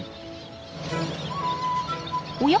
おや？